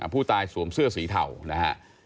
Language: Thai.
ผู้ตายสวมเสื้อสีเทานะฮะ